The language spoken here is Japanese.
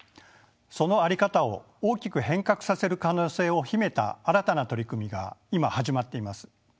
その在り方を大きく変革させる可能性を秘めた新たな取り組みが今始まっています。